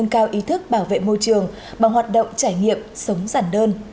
cao ý thức bảo vệ môi trường bằng hoạt động trải nghiệm sống giản đơn